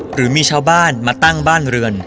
หรือมีชาวบ้านมาตั้งบ้านเรือน